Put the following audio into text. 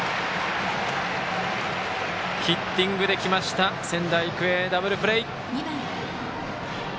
ヒッティングできました仙台育英、ダブルプレー。